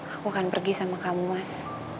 aku akan pergi sama kamu mas